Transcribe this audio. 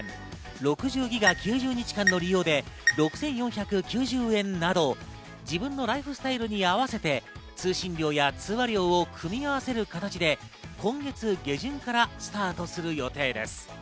６０ギガ９０日間の利用で６４９０円など、自分のライフスタイルに合わせて通信料や通話料を組み合わせる形で今月下旬からスタートする予定です。